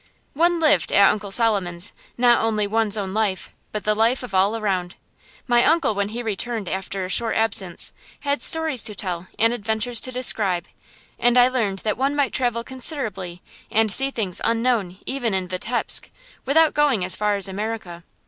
One lived, at Uncle Solomon's, not only one's own life, but the life of all around. My uncle, when he returned after a short absence, had stories to tell and adventures to describe; and I learned that one might travel considerably and see things unknown even in Vitebsk, without going as far as America.